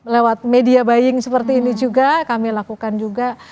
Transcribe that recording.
lewat media buying seperti ini juga kami lakukan juga